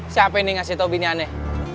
siapa ini ngasih tau bini aneh